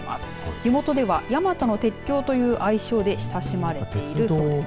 地元では山都の鉄橋という愛称で親しまれているそうです。